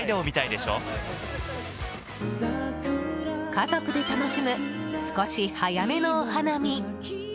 家族で楽しむ少し早めのお花見。